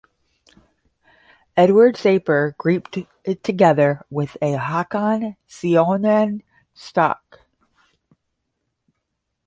Edward Sapir grouped it together with a Hokan-Siouan stock.